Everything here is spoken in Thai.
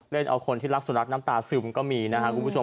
เล่นเอาคนที่รักสุนัขน้ำตาซึมก็มีนะครับคุณผู้ชม